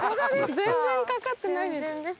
全然かかってないです。